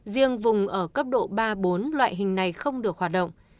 riêng vùng ở cấp độ ba bốn loại hình này không được hoạt động